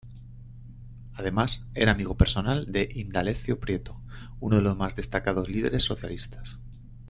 Además, era amigo personal de Indalecio Prieto, uno de los más destacados líderes socialistas.